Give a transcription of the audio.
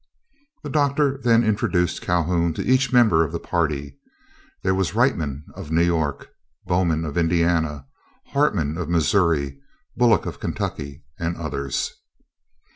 The Doctor then introduced Calhoun to each member of the party. There was Wrightman of New York, Bowman of Indiana, Hartman of Missouri, Bullock of Kentucky, and others.